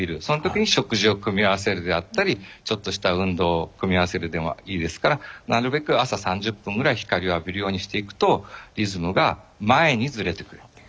そのときに食事を組み合わせるであったりちょっとした運動を組み合わせるでもいいですからなるべく朝３０分ぐらい光を浴びるようにしていくとリズムが前にずれてくれる。